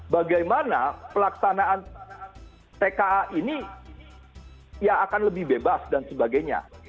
bagaimana pelaksanaan tka ini ya akan lebih bebas dan sebagainya